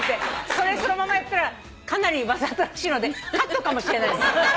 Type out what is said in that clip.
それそのままやったらかなりわざとらしいのでカットかもしれないです。